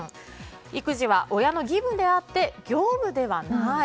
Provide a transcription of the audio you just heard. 育児は親の義務であって業務ではない。